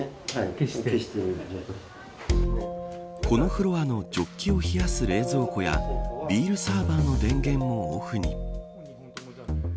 このフロアのジョッキを冷やす冷蔵庫やビールサーバーの電源もオフに。